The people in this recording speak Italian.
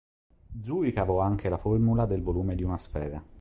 Zu ricavò anche la formula del volume di una sfera.